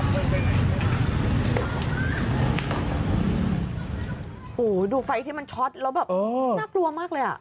โอ้โหดูไฟที่มันช็อตแล้วแบบน่ากลัวมากเลยอ่ะ